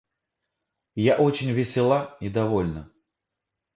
Я очень весела и довольна.